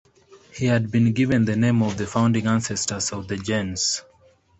He had been given the name of the founding ancestor of the gens.